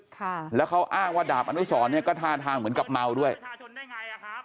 ค่ะแล้วเขาอ้างว่าดาบอนุสรเนี่ยก็ท่าทางเหมือนกับเมาด้วยไงอ่ะครับ